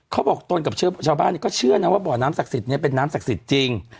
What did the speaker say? ตนกับชาวบ้านก็เชื่อนะว่าบ่อน้ำศักดิ์สิทธิ์เป็นน้ำศักดิ์สิทธิ์จริง